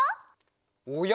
おや？